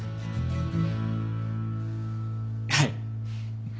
はい。